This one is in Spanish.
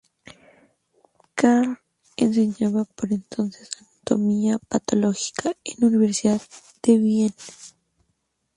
Karl enseñaba por entonces anatomía patológica en la Universidad de Viena.